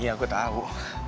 iya gue tau